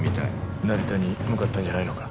成田に向かったんじゃないのか？